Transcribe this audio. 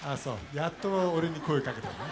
やっと俺に声かけたね。